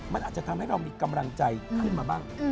มันอาจจะทำให้เรามีกำลังใจขึ้นมาบ้าง